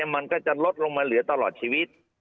มันก็จะลดลงมาเหลือตลอดชีวิต